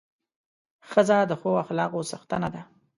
ښځه د ښو اخلاقو څښتنه ده.